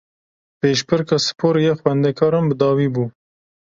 Pêşbirka sporê ya xwendekaran bi dawî bû